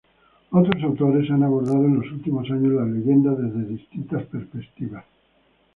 Otros autores han abordado en los últimos años la leyenda desde distintas perspectivas.